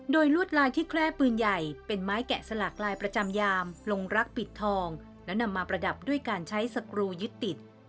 โดยลวดลายที่แคร่ปืนใหญ่เป็นไม้แกะสลักลายประจำยามลงรักปิดทองและนำมาประดับด้วยการใช้สกรูยึดติด